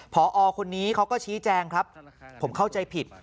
พอคนนี้เขาก็ชี้แจงครับผมเข้าใจผิด